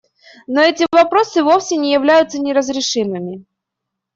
Но эти вопросы вовсе не являются неразрешимыми.